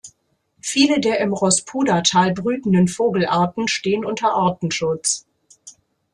Viele der im Rospuda-Tal brütenden Vogelarten stehen unter Artenschutz.